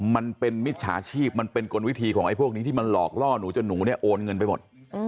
มิจฉาชีพมันเป็นกลวิธีของไอ้พวกนี้ที่มันหลอกล่อหนูจนหนูเนี่ยโอนเงินไปหมด